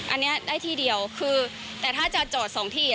อันนี้ได้ที่เดียวคือแต่ถ้าจะจอดสองที่